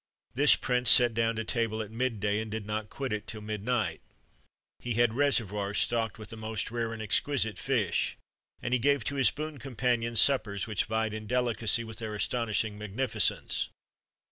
This prince sat down to table at mid day, and did not quit it till midnight (Sueton. in Neron. 27), he had reservoirs stocked with the most rare and exquisite fish, and he gave to his boon companions suppers which vied in delicacy with their astonishing magnificence.